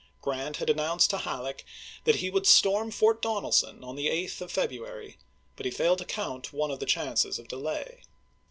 Grant had announced to Halleck that he would storm Fort Donelson on the 8th of February, but he failed to count one of the chances of delay.